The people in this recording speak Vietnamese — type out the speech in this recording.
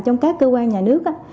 trong các cơ quan nhà nước